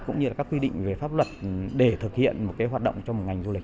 cũng như các quy định về pháp luật để thực hiện hoạt động trong một ngành du lịch